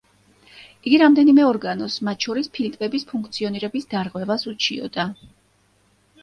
იგი რამდენიმე ორგანოს, მათ შორის ფილტვების ფუნქციონირების დარღვევას უჩიოდა.